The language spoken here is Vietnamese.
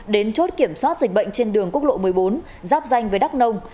đến chốt kiểm soát dịch bệnh trên đường quốc lộ một mươi bốn giáp danh với đắk nông